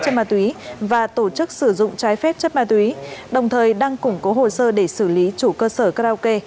chất ma túy và tổ chức sử dụng trái phép chất ma túy đồng thời đang củng cố hồ sơ để xử lý chủ cơ sở karaoke